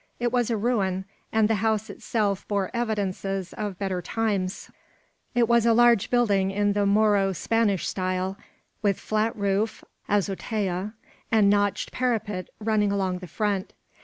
It was a ruin; and the house itself bore evidences of better times. It was a large building in the Moro Spanish style, with flat roof (azotea), and notched parapet running along the front.